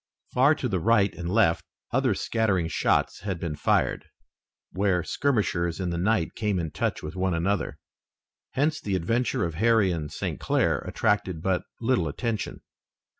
Far to the right and left other scattering shots had been fired, where skirmishers in the night came in touch with one another. Hence the adventure of Harry and St. Clair attracted but little attention.